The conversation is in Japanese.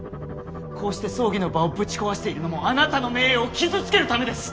こうして葬儀の場をぶち壊しているのもあなたの名誉を傷つけるためです。